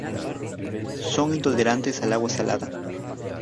Son intolerantes al agua salada.